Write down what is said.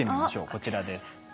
こちらです。